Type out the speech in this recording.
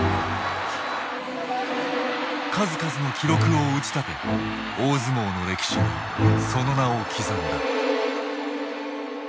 数々の記録を打ち立て大相撲の歴史にその名を刻んだ。